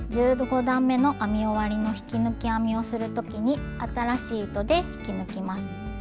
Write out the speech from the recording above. １５段めの編み終わりの引き抜き編みをする時に新しい糸で引き抜きます。